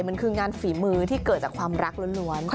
มันคืองานฝีมือที่เกิดจากความรักล้วน